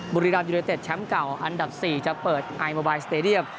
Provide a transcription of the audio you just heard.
บุรีรัมยูโดยเต็ดแชมป์เก่าอันดับสี่จะเปิดไอมอบไบล์สเตรเดียม